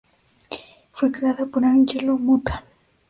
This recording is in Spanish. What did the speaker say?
Fue creada por Angelo Motta.